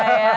itu dia ya